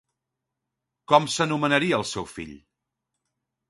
Com s'anomenaria el seu fill?